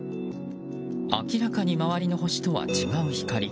明らかに周りの星とは違う光。